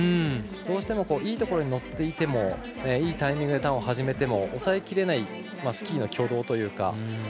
どうしてもいいところに乗っていてもいいタイミングでターンを始めても抑えきれないというか。